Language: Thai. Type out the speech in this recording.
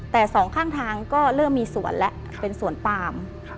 แต่สองข้างทางก็เริ่มมีสวนแล้วเป็นสวนปาม